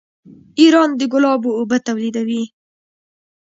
ایران د ګلابو اوبه تولیدوي.